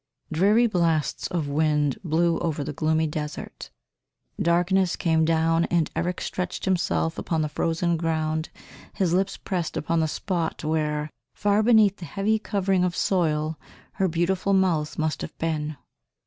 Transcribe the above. Dreary blasts of wind blew over the gloomy desert; darkness came down and Eric stretched himself upon the frozen ground, his lips pressed upon the spot where, far beneath the heavy covering of soil, her beautiful mouth must have been.